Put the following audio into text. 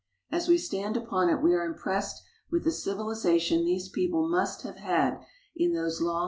As we stand upon it we are impressed with the civiHzation these people must have had in those CARP.